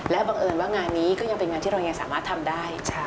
บังเอิญว่างานนี้ก็ยังเป็นงานที่เรายังสามารถทำได้